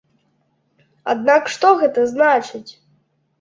Аднак, што гэта значыць?